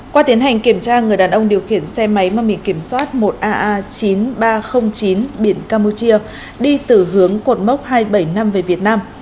qua tiến hành kiểm tra người đàn ông điều khiển xe máy mang biển kiểm soát một aa chín nghìn ba trăm linh chín biển campuchia đi từ hướng cột mốc hai trăm bảy mươi năm về việt nam